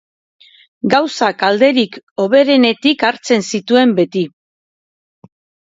Gauzak alderik hoberenetik hartzen zituen beti.